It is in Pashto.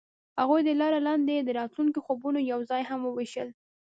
هغوی د لاره لاندې د راتلونکي خوبونه یوځای هم وویشل.